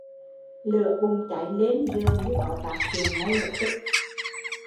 Lửa bùng cháy lên dường như có tác dụng ngay lập tức